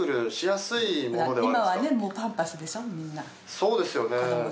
そうですよね。